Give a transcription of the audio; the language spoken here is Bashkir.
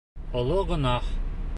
Оло гонаһ!